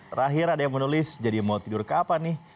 terakhir ada yang menulis jadi mau tidur kapan nih